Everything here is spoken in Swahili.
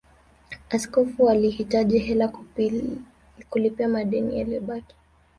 Askofu alihitaji hela kulipia madeni yaliyobaki